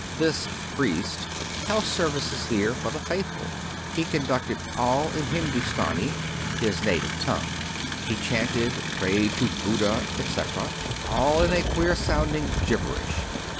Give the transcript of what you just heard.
This " priest " held services here for the faithful. He conducted all in Hindoostani (?), his native tongue. He chanted, prayed to Buddha, etc., all in a queer sounding "gibberish."